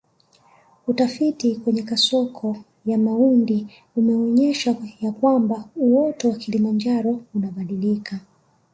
Utafiti kwenye kasoko ya Maundi umeonyesha ya kwamba uoto wa Kilimanjaro ulibadilika